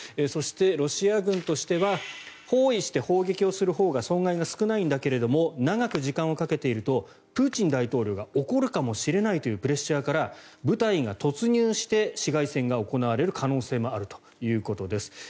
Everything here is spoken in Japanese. そして、ロシア軍としては包囲して砲撃をするほうが損害が少ないんだけども長く時間をかけているとプーチン大統領が怒るかもしれないというプレッシャーから部隊が突入して市街戦が行われる可能性があるということです。